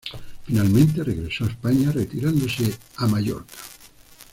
Finalmente regresó a España, retirándose en Mallorca.